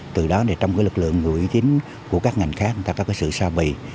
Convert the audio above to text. từ đó thì trong cái lực lượng người uy tín của các ngành khác người ta có cái sự sao bì